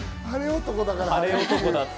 晴れ男だから。